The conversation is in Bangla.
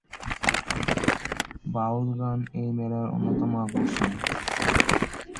বাউল গান এই মেলার অন্যতম আকর্ষণ।